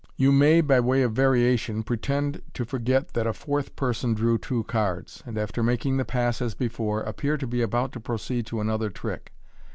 You may, by way of variation, pretend to forget that a fourth person drew two cards, and, after making the pass as before, appear to be about to proceed to another trick.